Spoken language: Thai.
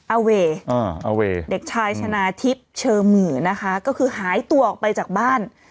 อาเวเด็กชายชนะทิพย์เชอมือนะคะก็คือหายตัวออกไปจากบ้าน